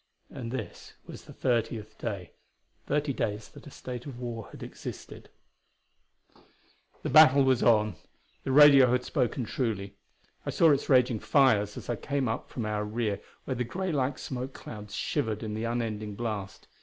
And this was the thirtieth day thirty days that a state of war had existed. The battle was on; the radio had spoken truly. I saw its raging fires as I came up from our rear where the gray like smoke clouds shivered in the unending blast.